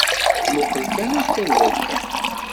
Tmuqel kan akka d wakka.